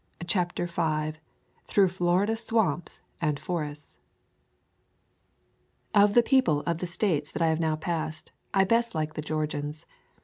CHAPTER V THROUGH FLORIDA SWAMPS AND FORESTS F the people of the States that I have QO now passed, I best like the Georgians.